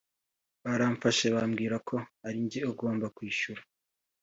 Baramfashe bambwira ko ari njye ugomba kwishyura